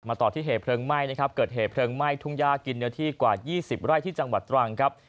ต่อที่เหตุเพลิงไหม้นะครับเกิดเหตุเพลิงไหม้ทุ่งย่ากินเนื้อที่กว่า๒๐ไร่ที่จังหวัดตรังครับ